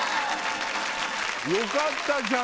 よかったじゃん